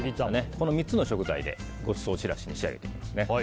この３つの食材でごちそうちらしに仕上げていきますね。